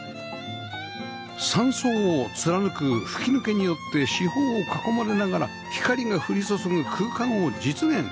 ３層を貫く吹き抜けによって四方を囲まれながら光が降り注ぐ空間を実現